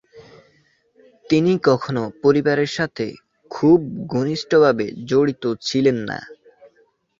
তিনি কখনও পরিবারের সাথে খুব ঘনিষ্ঠভাবে জড়িত ছিলেন না।